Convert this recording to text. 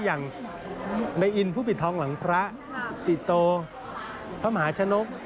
อย่างในอินผู้ปิดทองหลังพระติโตพระมหาชนก